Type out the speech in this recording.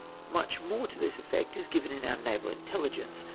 Much more to this effect is given in our Naval Intelligence.